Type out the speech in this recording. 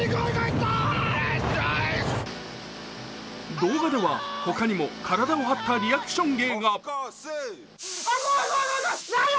動画ではほかにも体を張ったリアクション芸が。